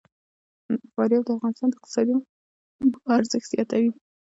فاریاب د افغانستان د اقتصادي منابعو ارزښت زیاتوي.